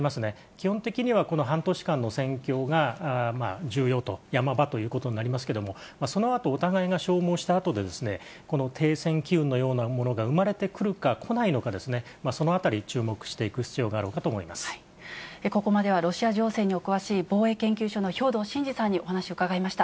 基本的にはこの半年間の戦況が重要と、ヤマ場ということになりますけれども、そのあとお互いが消耗したあとで、この停戦機運のようなものが生まれてくるか、こないのか、そのあたり、注目していく必要があろうここまではロシア情勢にお詳しい、防衛研究所の兵頭慎治さんにお話を伺いました。